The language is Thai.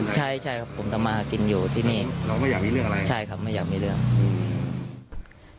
ใช่ผมต้องมากินอยู่ที่นี่ไม่อยากมีเรื่องอะไร